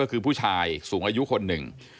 ก็คือผู้ชายสูงอายุคนหนึ่ง